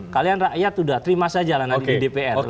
kalian rakyat udah terima saja lah nanti di dpr